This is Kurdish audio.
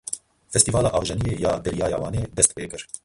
Festîvala Avjeniyê ya Deryaya Wanê dest pê kir.